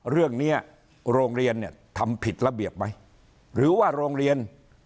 เรื่องเนี้ยโรงเรียนเนี้ยทำผิดระเบียบไหมหรือว่าโรงเรียน